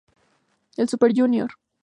El Super Jr.